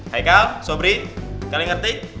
hai kal sobri kalian ngerti